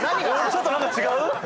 ちょっとなんか違う？